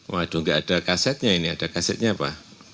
waduh nggak ada kasetnya ini ada kasetnya apa